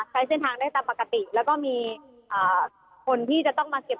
ใช้เส้นทางได้ตามปกติแล้วก็